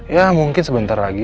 ya mungkin sebentar lagi